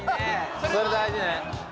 それ大事ね。